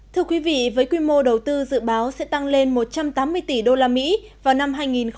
thưa quý vị với quy mô đầu tư dự báo sẽ tăng lên một trăm tám mươi tỷ usd vào năm hai nghìn hai mươi